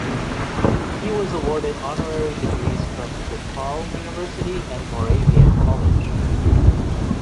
He was awarded honorary degrees from DePauw University and Moravian College.